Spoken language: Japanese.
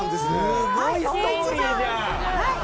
すごいストーリーじゃん！緊張する。